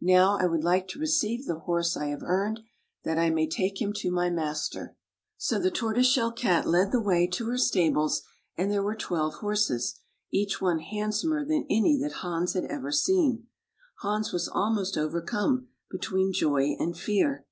Now I would like to receive the horse I have earned, that I may take him to my master." So the Tortoise Shell Cat led the way to her stables, and there were twelve horses, each one handsomer than any that Hans ever had seen. Hans was almost overcome, between joy and fear.